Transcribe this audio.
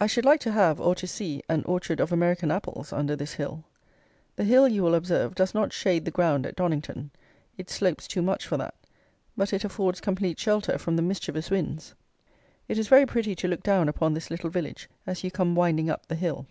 I should like to have, or to see, an orchard of American apples under this hill. The hill, you will observe, does not shade the ground at Donnington. It slopes too much for that. But it affords complete shelter from the mischievous winds. It is very pretty to look down upon this little village as you come winding up the hill.